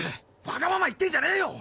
ワガママ言ってんじゃねえよ！